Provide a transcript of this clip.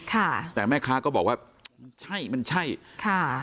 ค่ะแต่แม่ค้าก็บอกว่ามันใช่มันใช่ค่ะ